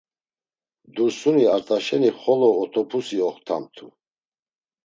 Dursuni Art̆aşeni xolo otopusi oktamt̆u.